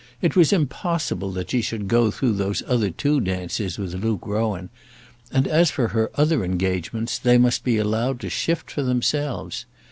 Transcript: It was impossible that she should go through those other two dances with Luke Rowan; and as for her other engagements, they must be allowed to shift for themselves.